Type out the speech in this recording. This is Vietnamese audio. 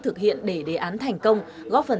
thực hiện để đề án thành công góp phần